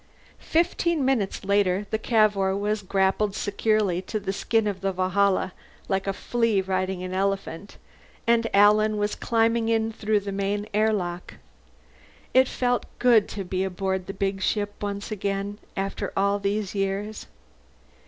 Fifteen minutes later the Cavour was grappled securely to the skin of the Valhalla like a flea riding an elephant, and Alan was climbing in through the main airlock. It felt good to be aboard the big ship once again, after all these years.